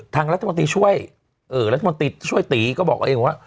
ทางรัฐบาลตีช่วยรัฐบาลช่วยตียก็บอกเราเองว่า